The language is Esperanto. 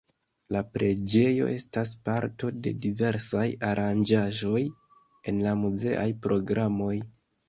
La preĝejo estas parto de diversaj aranĝaĵoj en la muzeaj programoj.